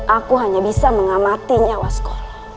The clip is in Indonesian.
aku hanya bisa mengamatinya wasko